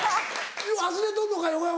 忘れとんのか横山。